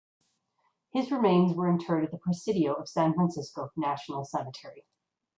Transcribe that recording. His remains were interred at the Presidio of San Francisco National Cemetery.